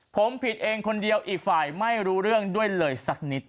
ผมผิดเองคนเดียวอีกฝ่ายไม่รู้เรื่องด้วยเลยสักนิด